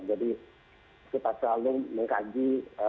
jadi kita selalu mengkaji